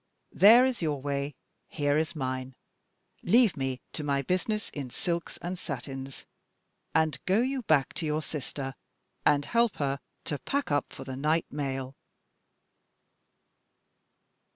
There is your way; here is mine. Leave me to my business in silks and satins, and go you back to your sister, and help her to pack up for the night mail."